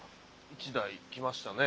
１台来ましたね。